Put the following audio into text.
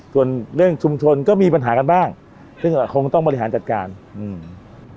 ส่วนเรื่องชุมชนก็มีปัญหากันบ้างซึ่งอาคงต้องบริหารจัดการอืม